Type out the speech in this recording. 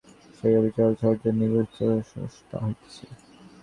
সেই অবিশ্রাম ঝর্ঝর শব্দ নিস্তব্ধ শৈলপ্রাচীরে প্রতিধ্বনিত হইতেছে।